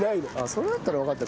それだったら分かった？